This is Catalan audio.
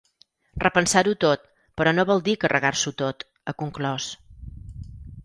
“Repensar-ho tot, però no vol dir carregar-s’ho tot”, ha conclòs.